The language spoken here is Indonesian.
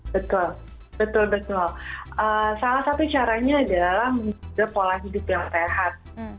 betul betul salah satu caranya adalah menjaga pola hidup yang sehat